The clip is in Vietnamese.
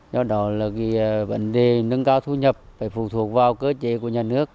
do đó là vấn đề nâng cao thu nhập phải phụ thuộc vào cơ chế của nhà nước